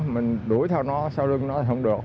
mình đuổi theo nó sau lưng nó không được